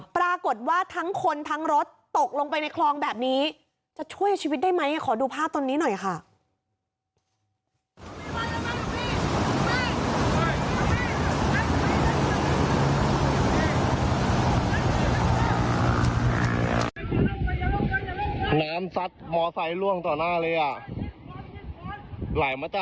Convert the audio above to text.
ปรากฏว่าทั้งคนทั้งรถตกลงไปในคลองแบบนี้จะช่วยชีวิตได้ไหมขอดูภาพตอนนี้หน่อยค่ะ